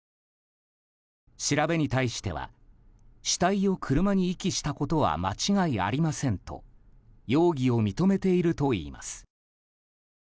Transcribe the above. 調べに対しては死体を車に遺棄したことは間違いありませんと容疑を認めているといいます。